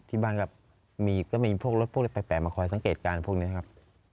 ที่บ้านก็มีพวกรถพวกอะไรแปลกมาคอยสังเกตการณ์พวกนี้ครับ